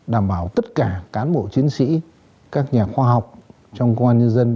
đảm bảo tất cả cán bộ chiến sĩ các nhà khoa học trong công an nhân dân